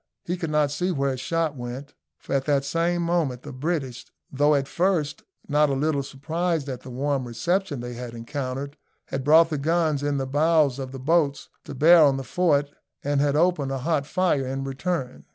He could not see where his shot went, for at the same moment the British, though at first not a little surprised at the warm reception they had encountered, had brought the guns in the bows of the boats to bear on the fort, and had opened a hot fire in return.